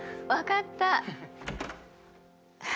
分かった。